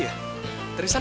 ya itu keajaiban